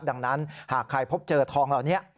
ดังนั้นหากใครพบเจอทองเหล่านี้